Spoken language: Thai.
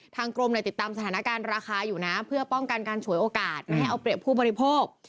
กรมติดตามสถานการณ์ราคาอยู่นะเพื่อป้องกันการฉวยโอกาสไม่ให้เอาเปรียบผู้บริโภค